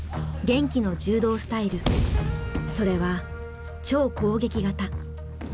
玄暉の柔道スタイルそれは超攻撃型。